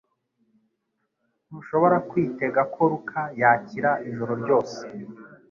Ntushobora kwitega ko Luka yakira ijoro ryose